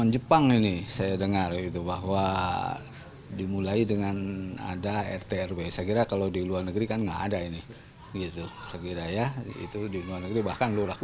jepang jawa tengah